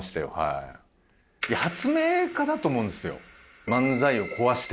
発明家だと思うんですよ。